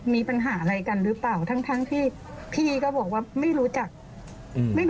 มีปัญหาอะไรกันหรือเปล่าทั้งทั้งที่พี่ก็บอกว่าไม่รู้จักอืมไม่รู้